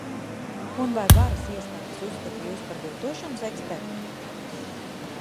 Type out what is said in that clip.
Un vai varas iestādes uzskata jūs par viltošanu ekspertu?